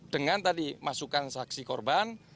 dengan tadi masukan saksi korban